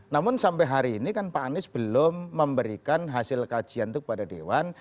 namun sampai hari ini kan pak anies belum memberikan hasil kajian itu kepada dewan